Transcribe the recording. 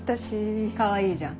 かわいいじゃん。